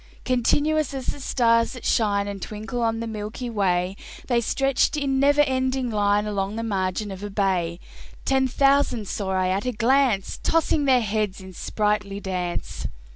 Continuous as the stars that shine And twinkle in the milky way, They stretched in never ending line Along the margin of a bay: Ten thousand saw I at a glance, Tossing their heads in sprightly dance.